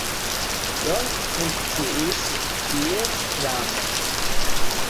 Longe funkciis tie pramo.